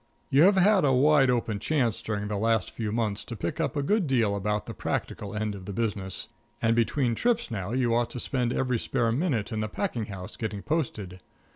You have had a wide open chance during the last few months to pick up a good deal about the practical end of the business, and between trips now you ought to spend every spare minute in the packing house getting posted.